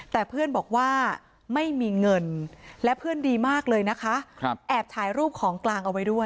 แต่เพื่อนบอกว่าไม่มีเงินและเพื่อนดีมากเลยนะคะ